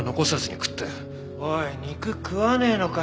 おい肉食わねえのかよ？